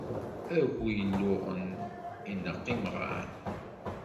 Agu iluɣen ineqq imɣan.